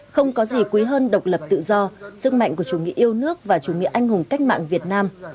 không có gì quý hơn độc lập tự do sức mạnh của chủ nghĩa yêu nước và chủ nghĩa anh hùng cách mạng việt nam